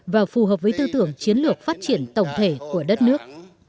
và phù hợp với tư tưởng chiến lược phát triển tổng thể của đất nước